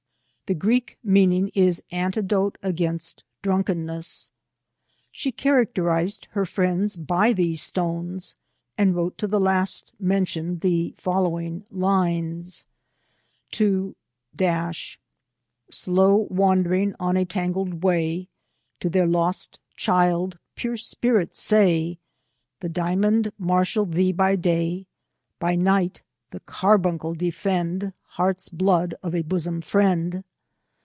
" The Greek meaning is anti dote against drunkenness.'^ She characterised her friends by these stones, and wrote to the last men tioned, the following lines :—" TO .'•' Slow wandering on a tangled way, To their lost child pure spirits say :— The diamond marshal thee by day, By night, the carbuncle defend. Heart's blood of a bosom friend.